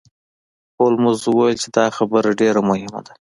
هولمز وویل چې دا خبره ډیره مهمه ده.